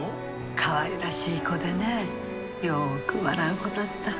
かわいらしい子でねよく笑う子だった。